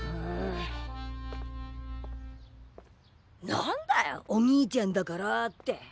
なんだよ「お兄ちゃんだから」って。